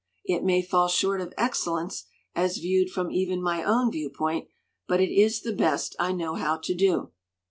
It may fall short of excellence as viewed from even my own viewpoint, but it is the best I know how to do.